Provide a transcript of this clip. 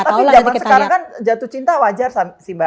tapi zaman sekarang kan jatuh cinta wajar sih mbak